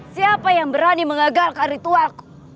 siapa yang berani mengagalkan ritual